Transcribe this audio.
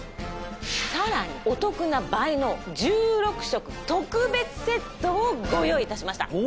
さらにお得な倍の１６食特別セットをご用意致しました。